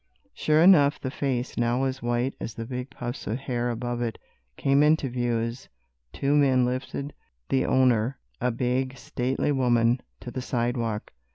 Sure enough, the face, now as white as the big puffs of hair above it, came into view as two men lifted the owner, a big, stately woman, to the sidewalk.